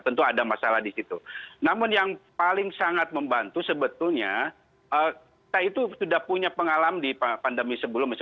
tentu ada masalah di situ namun yang paling sangat membantu sebetulnya kita itu sudah punya pengalaman di pandemi sebelumnya